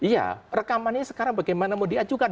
iya rekamannya sekarang bagaimana mau diajukan